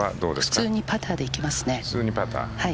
普通にパターでいきます。